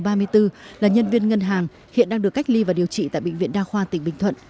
bệnh nhân số ba mươi bốn là nhân viên ngân hàng hiện đang được cách ly và điều trị tại bệnh viện đa khoa tỉnh bình thuận